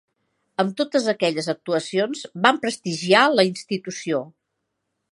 Amb totes aquelles actuacions van prestigiar la institució.